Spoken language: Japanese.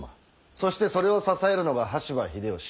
そしてそれを支えるのが羽柴秀吉。